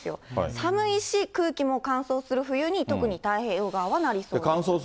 寒いし、空気も乾燥する冬に特に太平洋側はなりそうなんです。